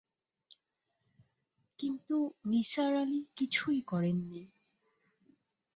কিন্তু নিসার আলি কিছুই করেন নি।